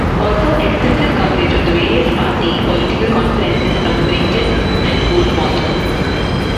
Also extensive coverage of the various party political conferences from Brighton and Bournemouth.